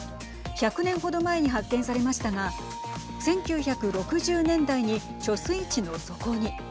１００年程前に発見されましたが１９６０年代に貯水池の底に。